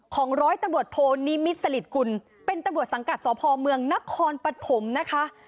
ร้อยตำรวจโทนิมิตรสลิดกุลเป็นตำรวจสังกัดสพเมืองนครปฐมนะคะ